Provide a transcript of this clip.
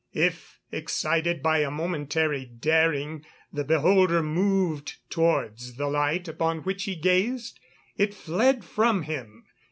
If, excited by a momentary daring, the beholder moved towards the light upon which he gazed, it fled from him.